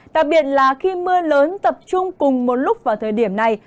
đặc biệt là khi mưa lớn tập trung cùng một lúc vào thời điểm này